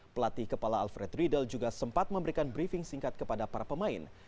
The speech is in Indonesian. pelatih kepala alfred riedel juga sempat memberikan briefing singkat kepada para pemain